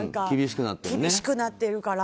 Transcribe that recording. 厳しくなっているから。